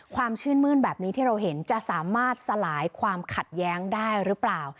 ความชื่นมื้นแบบนี้ที่เราเห็นจะสามารถสลายความขัดแย้งได้หรือเปล่า